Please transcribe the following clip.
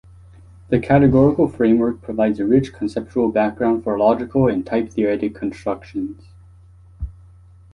The categorical framework provides a rich conceptual background for logical and type-theoretic constructions.